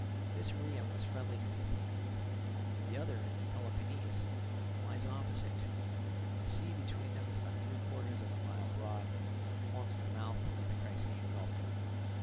This Rhium was friendly to the Athenians. The other, in Peloponnese, lies opposite to it; the sea between them is about three quarters of a mile broad, and forms the mouth of the Crissaean gulf.